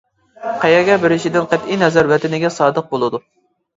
قەيەرگە بېرىشىدىن قەتئىينەزەر، ۋەتىنىگە سادىق بولىدۇ.